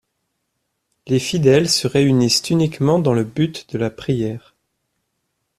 Les fidèles se réunissent uniquement dans le but de la prière.